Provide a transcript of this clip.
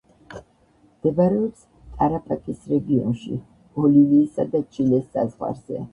მდებარეობს ტარაპაკის რეგიონში, ბოლივიისა და ჩილეს საზღვარზე.